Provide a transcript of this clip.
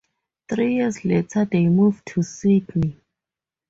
Three years later they moved to Sydney.